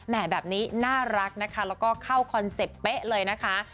แบบนี้น่ารักนะคะแล้วก็เข้าคอนเซ็ปต์เป๊ะเลยนะคะ